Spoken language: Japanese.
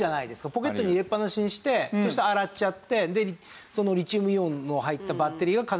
ポケットに入れっぱなしにしてそして洗っちゃってそのリチウムイオンの入ったバッテリーが加熱されたら。